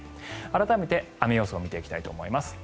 改めて、雨予想を見ていきたいと思います。